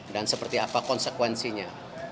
dan seperti apa konsekuensinya